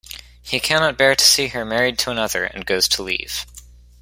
He cannot bear to see her married to another, and goes to leave.